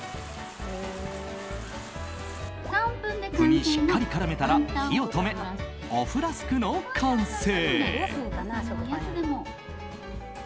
麩にしっかり絡めたら火を止め、お麩ラスクの完成。